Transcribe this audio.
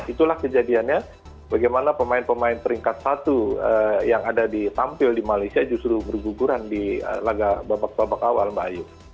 itulah kejadiannya bagaimana pemain pemain peringkat satu yang ada ditampil di malaysia justru berguguran di laga babak babak awal mbak ayu